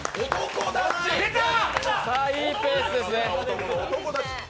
いいペースですね。